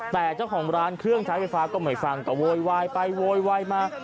แต่เจ้าของร้านเครื่องใช้ไฟฟ้าก็ไม่ฟังก็โวยวายไปโวยวายมา